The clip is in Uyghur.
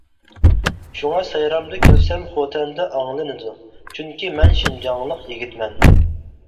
شۇڭا سايرامدا كۈلسەم خوتەندە ئاڭلىنىدۇ. چۈنكى مەن شىنجاڭلىق يىگىتمەن.